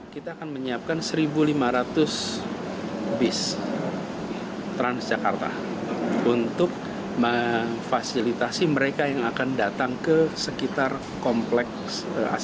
kita akan menyiapkan satu lima ratus bis transjakarta untuk memfasilitasi mereka yang akan datang ke sekitar kompleks